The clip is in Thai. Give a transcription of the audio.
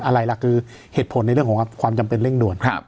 อะไรล่ะคือเหตุผลในเรื่องของความจำเป็นเร่งด่วน